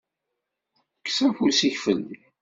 Kkes afus-ik fell-i.